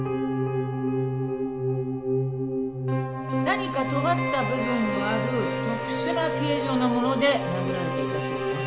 何かとがった部分がある特殊な形状のもので殴られていたそうよ。